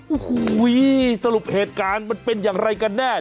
โอ้โหสรุปเหตุการณ์มันเป็นอย่างไรกันแน่